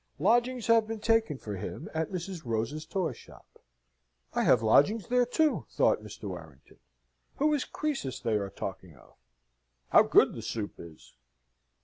Lodgings have been taken for him at Mrs. Rose's toy shop." "I have lodgings there too," thought Mr. Warrington. "Who is Croesus they are talking of? How good the soup is!"